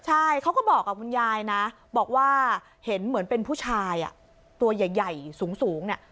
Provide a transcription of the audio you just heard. ใช่เขาก็บอกกับคุณยายนะบอกว่าเห็นเหมือนเป็นผู้ชายตัวใหญ่สูงเนี่ย